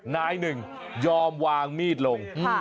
นายหนึ่งยอมวางมีดลง